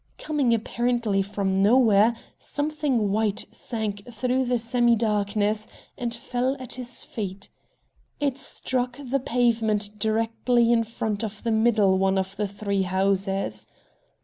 Coming apparently from nowhere, something white sank through the semi darkness and fell at his feet. It struck the pavement directly in front of the middle one of the three houses.